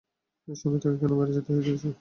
এই সময়ে তাকে কেন বাইরে যেতে দিয়েছো?